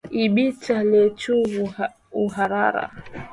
Ibita lechu huhara.